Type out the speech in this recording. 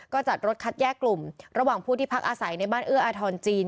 ก็จัดรถคัดแยกกลุ่มระหว่างผู้ที่พักอาศัยในบ้านเอื้ออาทรจีน